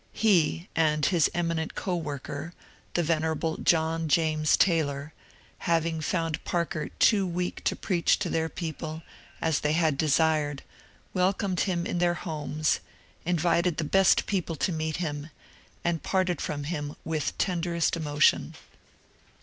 He and his eminent coworker, the venerable John James Tay lor, having found Parker too weak to preach to their people, as they had desired, welcomed him in their homes, invited the best people to meet him, and parted from him with tenderest emotion.